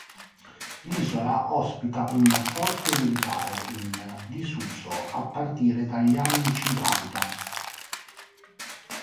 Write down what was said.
L'isola ospita un forte militare, in disuso a partire dagli anni cinquanta.